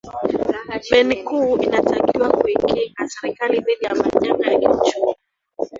beni kuu inatakiwa kuikinga serikali dhidi ya majanga ya kiuchumi